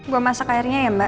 gue masak airnya ya mbak